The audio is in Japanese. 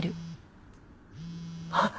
あっ。